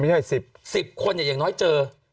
ไม่ใช่๑๐๑๐คนอย่างน้อยเจอ